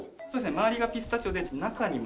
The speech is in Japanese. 周りがピスタチオで中にも。